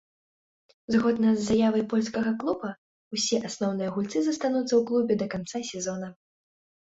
Згодна з заявай польскага клуба, усе асноўныя гульцы застануцца ў клубе да канца сезона.